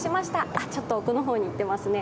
あ、ちょっと奥の方にいっていますね。